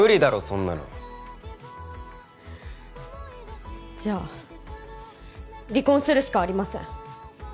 そんなのじゃ離婚するしかありません